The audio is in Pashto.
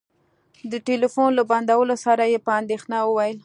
د ټلفون له بندولو سره يې په اندېښنه وويل.